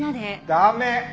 駄目！